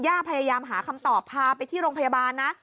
พยายามหาคำตอบพาไปที่โรงพยาบาลนะ